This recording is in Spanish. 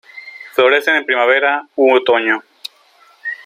Florecen en primavera u otoño.